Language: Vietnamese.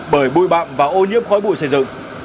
bởi bụi bạm và ô nhiễm khói bụi xây dựng